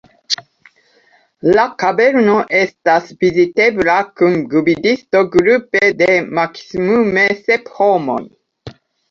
La kaverno estas vizitebla kun gvidisto grupe de maksimume sep homoj.